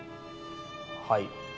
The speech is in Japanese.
はい。